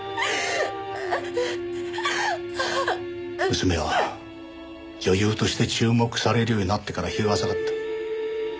娘は女優として注目されるようになってから日が浅かった。